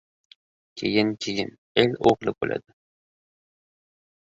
Keyin-keyin, el o‘g‘li bo‘ladi.